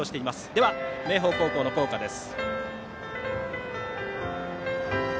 では、明豊高校の校歌です。